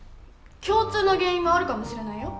共通の原因があるかもしれないよ。